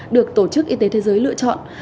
được tổ chức y tế thế giới lựa chọn